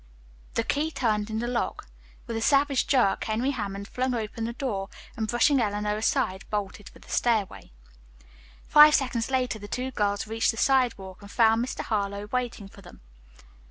The key turned in the lock. With a savage jerk, Henry Hammond flung open the door, and brushing Eleanor aside, bolted for the stairway. Five seconds later the two girls reached the sidewalk and found Mr. Harlowe waiting for them.